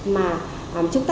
mà chúng ta chẳng có thể làm được